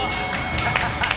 ハハハ！